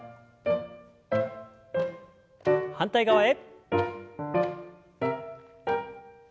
反対側へ。